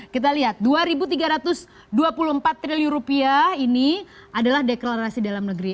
kita lihat rp dua tiga ratus dua puluh empat triliun ini adalah deklarasi dalam negeri